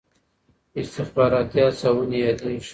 استخباراتي هڅونې یادېږي.